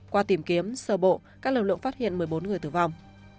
qua tìm kiếm sơ bộ các lực lượng phát hiện một mươi bốn người tử vong